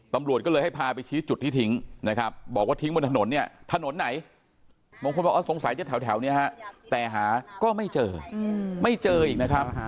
ตำรวจก็เลยให้พาไปชี้จุดที่ทิ้งนะครับบอกว่าทิ้งบนถนนเนี่ยถนนไหนบางคนบอกสงสัยจะแถวนี้ฮะแต่หาก็ไม่เจอไม่เจออีกนะครับ